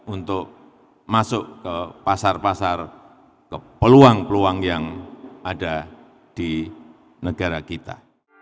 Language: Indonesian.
untuk masuk ke pasar pasar ke peluang peluang yang ada di negara kita